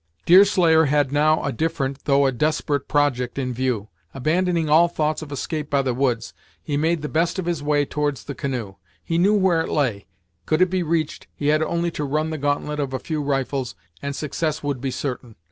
Deerslayer had now a different, though a desperate project in view. Abandoning all thoughts of escape by the woods, he made the best of his way towards the canoe. He knew where it lay; could it be reached, he had only to run the gauntlet of a few rifles, and success would be certain.